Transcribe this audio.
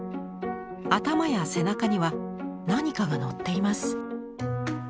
頭や背中には何かが載っています。